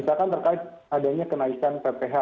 misalkan terkait adanya kenaikan pph